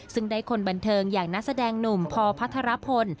ซึ่งได้คนบันเทิงอย่างนักแสดงหนุ่มพอพัทรพล